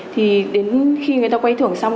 thì đến khi người ta quay thưởng xong